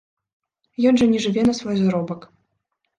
Ён жа не жыве на свой заробак.